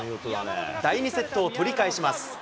第２セットを取り返します。